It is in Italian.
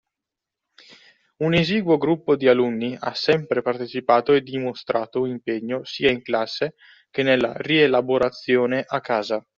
Un esiguo gruppo di alunni ha sempre partecipato e dimostrato impegno sia in classe che nella rielaborazione a casa